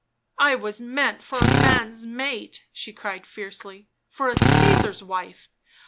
"I was meant for a man's mate," she cried fiercely, for a Csesar's wife.